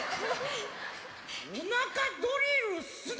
おなかドリルすな！